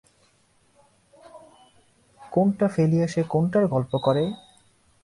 কোনটা ফেলিয়া সে কোনটার গল্প করে!